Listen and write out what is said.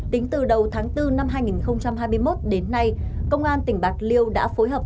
tính từ đầu tháng bốn năm hai nghìn hai mươi một đến nay công an tỉnh bạc liêu đã phối hợp